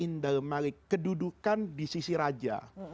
indal malik kedudukan di sisi raja